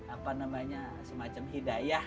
apa namanya semacam hidayah